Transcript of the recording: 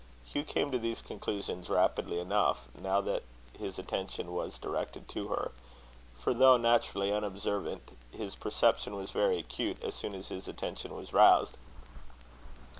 Hugh came to these conclusions rapidly enough, now that his attention was directed to her; for, though naturally unobservant, his perception was very acute as soon as his attention was roused.